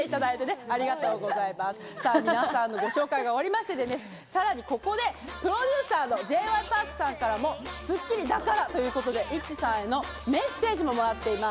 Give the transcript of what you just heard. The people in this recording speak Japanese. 皆さんのご紹介が終わりまして、さらにここでプロデューサーのＪ．Ｙ．Ｐａｒｋさんからも『スッキリ』だからということでＩＴＺＹさんへのメッセージももらっています。